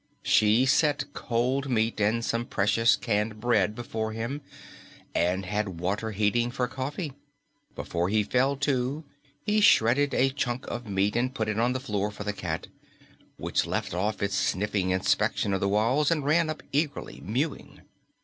She set cold meat and some precious canned bread before him and had water heating for coffee. Before he fell to, he shredded a chunk of meat and put it on the floor for the cat, which left off its sniffing inspection of the walls and ran up eagerly mewing.